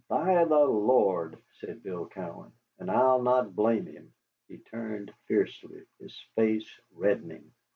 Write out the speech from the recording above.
"By the Lord!" said Bill Cowan, "and I'll not blame him." He turned fiercely, his face reddening.